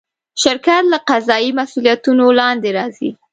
شرکت له قضایي مسوولیتونو لاندې راځي.